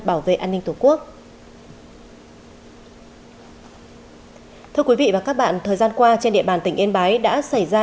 bảo vệ an ninh tổ quốc thưa quý vị và các bạn thời gian qua trên địa bàn tỉnh yên bái đã xảy ra